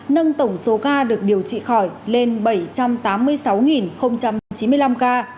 nâng tổng số ca được điều trị khỏi lên bảy trăm tám mươi sáu chín mươi năm ca